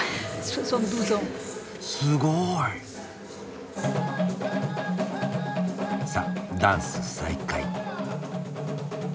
すごい！さっダンス再開。